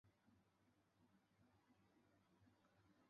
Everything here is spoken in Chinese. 该学院位于安大略省汉密尔顿市成员。